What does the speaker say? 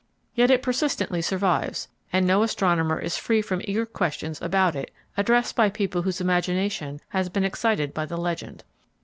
Yet it persistently survives, and no astronomer is free from eager questions about it addressed by people whose imagination has been excited by the legend.